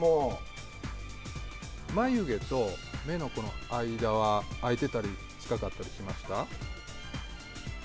眉毛と目の間は空いてたり近かったりしますか？